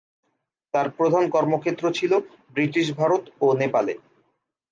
তার প্রধান কর্মক্ষেত্র ছিল ব্রিটিশ ভারত ও নেপালে।